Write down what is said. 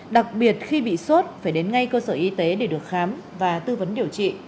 đặc biệt khi bị sốt phải đến ngay cơ sở y tế để được khám và tư vấn điều trị